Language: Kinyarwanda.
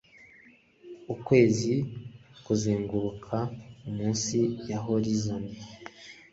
Ukwezi kuzenguruka munsi ya horizon